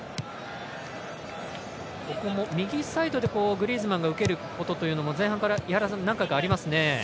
右サイドでグリーズマンが受けることも前半から、何回かありますね。